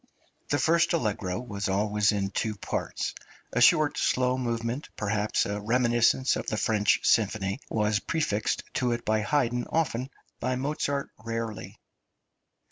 The first allegro was always in two parts; a short slow movement, perhaps a reminiscence of the French symphony, was prefixed to it by Haydn often, by Mozart rarely.